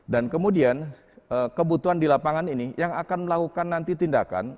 dan kemudian kebutuhan di lapangan ini yang akan melakukan nanti tindakan